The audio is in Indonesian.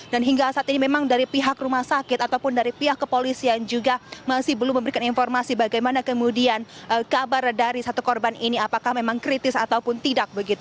dan hingga saat ini memang dari pihak rumah sakit ataupun dari pihak kepolisian juga masih belum memberikan informasi bagaimana kemudian kabar dari satu korban ini apakah memang kritis ataupun tidak begitu